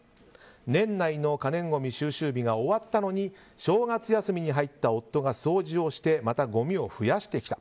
年内の可燃ごみ収集日が終わったのに正月休みに入った夫が掃除をしてまたごみを増やしてきた。